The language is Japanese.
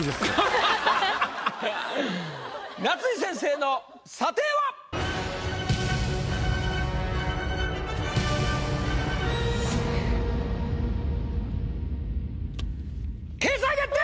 夏井先生の査定は⁉掲載決定！